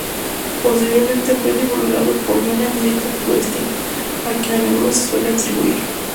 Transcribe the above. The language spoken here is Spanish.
Posteriormente fue divulgado por Johann Jakob Wettstein, a quien a menudo se suele atribuir.